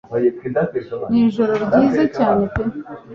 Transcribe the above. Nijoro ryiza cyane pe